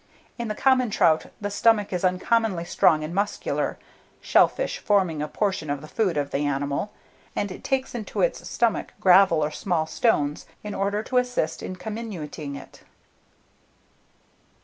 In the common trout, the stomach is uncommonly strong and muscular, shell fish forming a portion of the food of the animal; and it takes into its stomach gravel or small stones in order to assist in comminuting it.